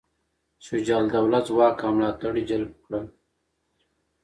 شجاع الدوله ځواک او ملاتړي جلب کړل.